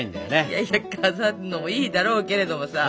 いやいや飾るのもいいだろうけれどもさ。